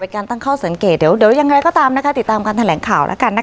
การตั้งข้อสังเกตเดี๋ยวอย่างไรก็ตามนะคะติดตามการแถลงข่าวแล้วกันนะคะ